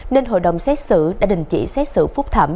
nên hội đồng xét xử đã đình chỉ xét xử phúc thẩm